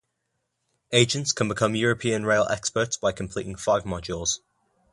Agents can become European Rail Experts by completing five modules.